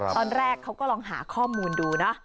ตอนแรกเขาก็ลองหาข้อมูลดูนะ